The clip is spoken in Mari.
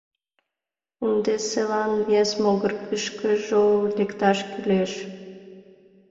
Ынде селан вес могырышкыжо лекташ кӱлеш.